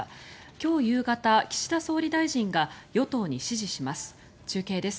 今日夕方、岸田総理大臣が与党に指示します。